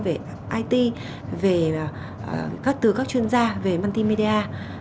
về it về các tư các chuyên gia về multimedia